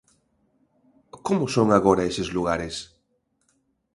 Como son agora eses lugares?